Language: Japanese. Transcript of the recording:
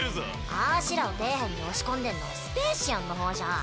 あしらを底辺に押し込んでんのはスペーシアンの方じゃん。